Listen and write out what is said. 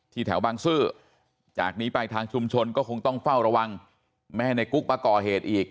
แถวบางซื่อจากนี้ไปทางชุมชนก็คงต้องเฝ้าระวังไม่ให้ในกุ๊กมาก่อเหตุอีก